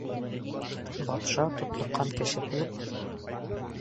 Батша тотлоҡҡан кеше булып: